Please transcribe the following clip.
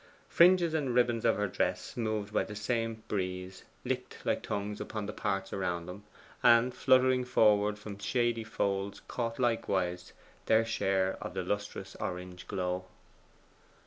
Fringes and ribbons of her dress, moved by the same breeze, licked like tongues upon the parts around them, and fluttering forward from shady folds caught likewise their share of the lustrous orange glow.